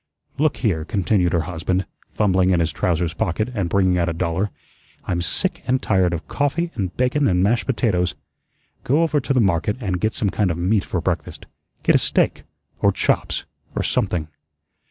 "Look here," continued her husband, fumbling in his trousers pocket and bringing out a dollar, "I'm sick and tired of coffee and bacon and mashed potatoes. Go over to the market and get some kind of meat for breakfast. Get a steak, or chops, or something.